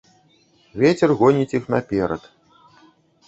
Вецер гоніць іх наперад.